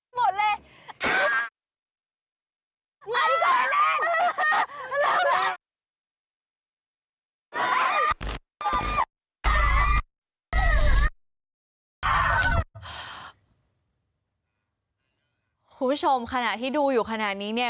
คุณผู้ชมขณะที่ดูอยู่ขณะนี้เนี่ย